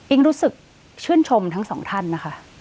รู้สึกชื่นชมทั้งสองท่านนะคะ